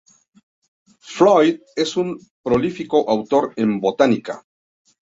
Floyd es un prolífico autor en botánica.